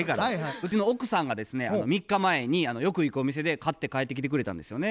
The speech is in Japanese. うちの奥さんがですね３日前によく行くお店で買って帰ってきてくれたんですよね。